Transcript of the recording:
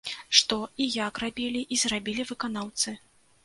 Што і як рабілі і зрабілі выканаўцы.